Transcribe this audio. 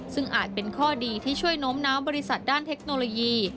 ซึ่งอาจเป็นข้อดีที่ช่วยโน้มน้าวบริษัทด้านเทคโนโลยี